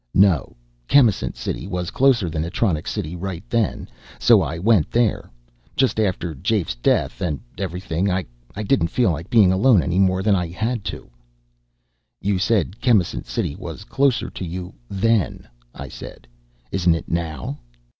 "No. Chemisant City was closer than Atronics City right then, so I went there. Just after Jafe's death, and everything I didn't feel like being alone any more than I had to." "You said Chemisant City was closer to you then," I said. "Isn't it now?"